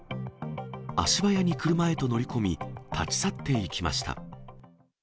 足早に車へと乗り込み、立ち去っていきました。